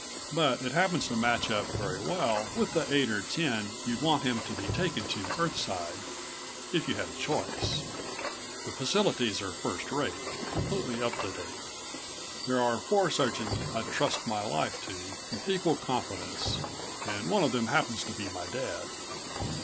But it happens to match up very well with the eight or ten you'd want him to be taken to Earthside, if you had a choice. The facilities are first rate, completely up to date. There are four surgeons I'd trust my life to with equal confidence ... and one of them happens to be my dad.